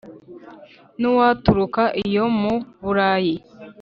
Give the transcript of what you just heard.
N'uwaturuka iyo mu Bulayi